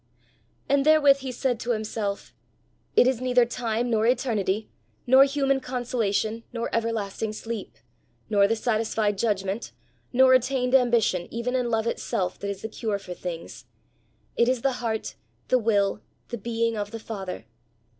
And therewith he said to himself: "It is neither time, nor eternity, nor human consolation, nor everlasting sleep, nor the satisfied judgment, nor attained ambition, even in love itself, that is the cure for things; it is the heart, the will, the being of the Father.